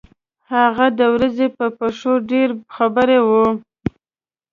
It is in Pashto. هغه د ورځې په پېښو ډېر خبر وو.